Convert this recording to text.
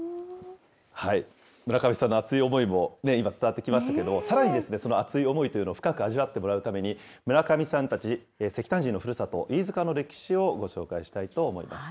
村上さんの熱い思いも今、伝わってきましたけれども、さらに、その熱い思いというのを深く味わってもらうために、村上さんたち石炭人のふるさと・飯塚の歴史をご紹介したいと思います。